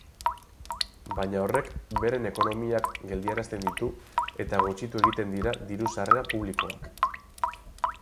Baina horrek beren ekonomiak geldiarazten ditu eta gutxitu egiten dira diru-sarrera publikoak.